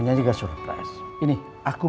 ya udah pergi lo